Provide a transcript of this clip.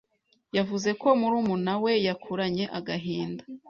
yavuze ko murumuna we yakuranye agahinda